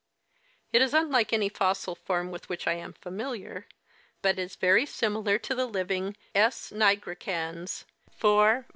It is unlike any fossil form with which I am familiar, but is very similar to the living S. nigricans, For.